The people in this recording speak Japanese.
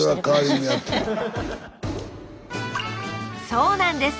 そうなんです。